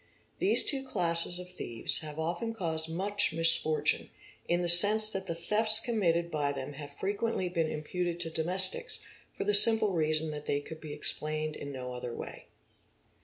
These two classes of thieves have often caused _ much misfortune, in the sense that the thefts committed by them have frequently been imputed to domestics, for the simple reason that they _ could be explained in no other way.